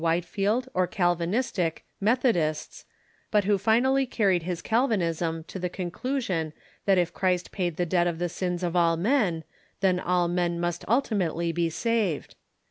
^r i " t i i /• i W hiteheld, or Calvnnstic, Methodists, but who nnal ly carried his Calvinism to the conclusion that if Christ paid the debt of the sins of all men, then all men must ultimately be saved.